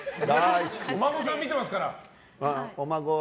お孫さん、見てますから。